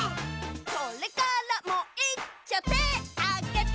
それからもいっちょてあげて！